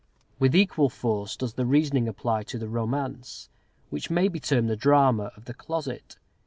With equal force does the reasoning apply to the romance, which may be termed the drama of the closet.